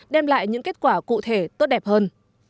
đem lại những kết quả cụ thể tốt đẹp hơn